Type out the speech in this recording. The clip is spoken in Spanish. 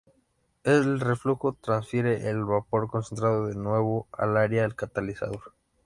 El reflujo transfiere el vapor concentrado de nuevo al área del catalizador.